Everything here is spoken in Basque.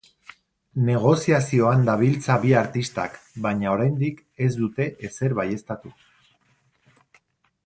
Negoziazioan dabiltza bi artistak baina oraindik ez dute ezer baieztatu.